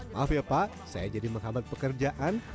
maaf ya pak saya jadi menghambat pekerjaan